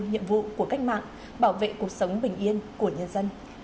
nhiệm vụ của cách mạng bảo vệ cuộc sống bình yên của nhân dân